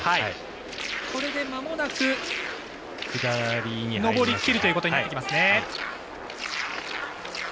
これでまもなく上りきるということになってきますね。